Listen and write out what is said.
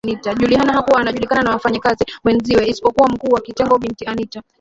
Juliana hakuwa anajulikana na wafanya kazi wenzie isipokuwa mkuu wa kitengo Bi Anita